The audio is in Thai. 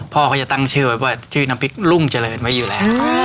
พ่อเขาจะตั้งชื่อไว้ว่าชื่อน้ำพริกรุ่งเจริญไว้อยู่แล้ว